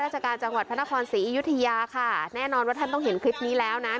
ราชการจังหวัดพระนครศรีอยุธยาค่ะแน่นอนว่าท่านต้องเห็นคลิปนี้แล้วนะ